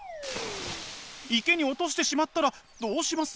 池に落としてしまったらどうします？